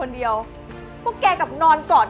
เด็กแกหัส